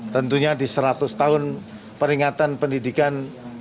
tentunya di seratus tahun peringatan pendidikan